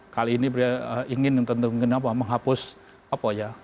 kali ini dia ingin menghapus apa ya